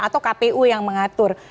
atau kpu yang mengatur